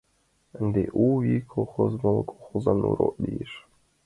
Ынде «У вий» колхоз моло колхозлан урок лиеш.